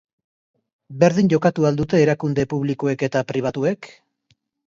Berdin jokatu al dute erakunde publikoek eta pribatuek?